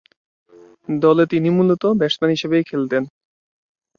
দলে তিনি মূলতঃ ব্যাটসম্যান হিসেবে খেলতেন।